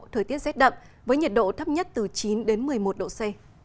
thời tiết rét đậm với nhiệt độ thấp nhất từ chín đến một mươi một độ c